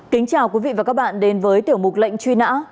kính chào quý vị và các bạn đến với tiểu mục lệnh truy nã